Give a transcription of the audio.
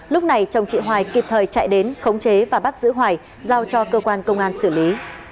lúc này chồng chị hoài kịp thời chạy đến khống chế và bắt giữ hoài giao cho cơ quan công an xử lý